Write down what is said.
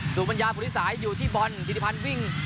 สุมรรยาผู้ทิศสายอยู่ที่บอลฮิฟษภัณฑ์วิ่ง